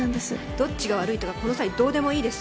どっちが悪いとかこの際どうでもいいです。